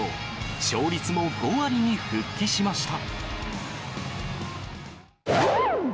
勝率も５割に復帰しました。